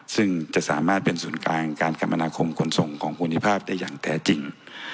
ซึ่งจะสามารถเป็นศูนย์กลางการคมนาคมขนส่งของภูมิภาพได้อย่างแท้จริง